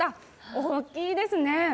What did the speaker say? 大きいですね。